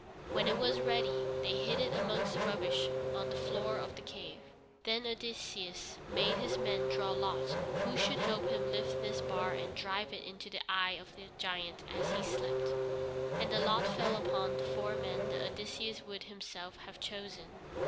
When it was ready, they hid it amongst the rubbish on the floor of the cave. Then Odysseus made his men draw lots who should help him to lift this bar and drive it into the eye of the giant as he slept, and the lot fell upon the four men that Odysseus would himself have chosen.